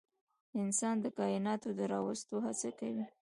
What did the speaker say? انسان د کایناتو د راوستو هڅه کوي.